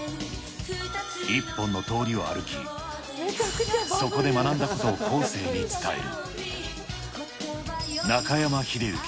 一本の通りを歩き、そこで学んだことを後世に伝える。